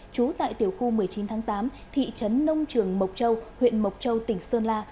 trú tại tiểu khu một mươi chín tháng tám thị trấn nông trường mộc châu huyện mộc châu tỉnh sơn la